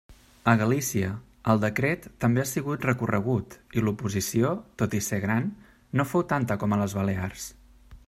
A Galícia, el decret també ha sigut recorregut i l'oposició, tot i ser gran, no fou tanta com a les Balears.